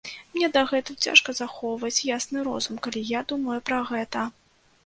Мне дагэтуль цяжка захоўваць ясны розум, калі я думаю пра гэта.